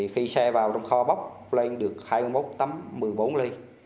khi xe vào trong kho bốc lên được hai mươi một tấm một mươi bốn ly